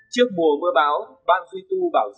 trước mùa mưa báo ban duy tu bảo dự